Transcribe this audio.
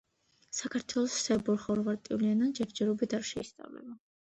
საქართველოში სერბულ-ხორვატული ენა ჯერჯერობით არ შეისწავლება.